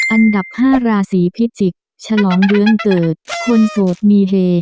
อันดับ๕ราศีพิจิกษ์ฉลองเดือนเกิดคนโสดมีเฮ